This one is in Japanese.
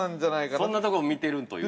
◆そんなとこ見てるという。